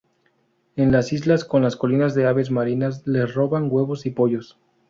En las islas con colonias de aves marinas les roban huevos y pollos.